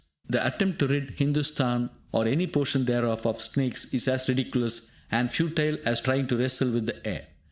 The attempt to rid Hindustan, or any portion thereof, of snakes is as ridiculous and futile as trying to wrestle with the air.